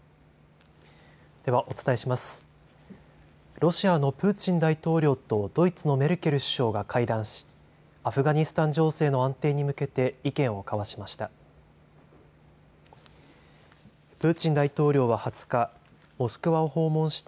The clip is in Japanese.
ロシアのプーチン大統領とドイツのメルケル首相が会談しアフガニスタン情勢の安定に向けて意見を交わしました。